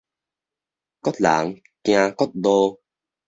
各人行各路